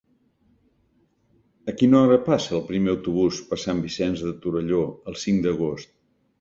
A quina hora passa el primer autobús per Sant Vicenç de Torelló el cinc d'agost?